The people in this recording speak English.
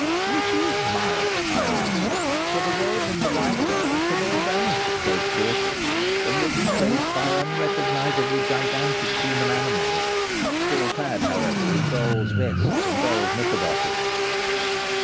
"Which is Myatt?" I asked, for the red and the white dolls had all vanished at close quarters, and were replaced by unrecognizably gigantic human animals, still clad, however, in dolls' vests and dolls' knickerbockers.